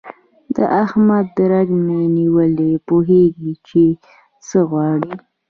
د احمد رګ مې نیولی، پوهېږ چې څه غواړي.